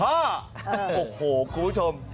โอ้โหคุณผู้ชม